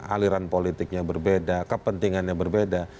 aliran politiknya berbeda kepentingannya berbeda